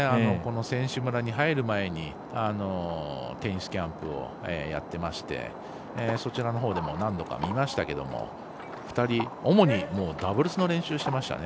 選手村に入る前にテニスキャンプをやっていましてそちらのほうでも何度か見ましたけども２人は主に、ダブルスの練習をしていましたね。